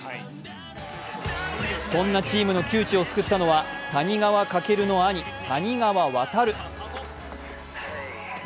そんなチームの窮地を救ったのは谷川翔の兄・谷川航。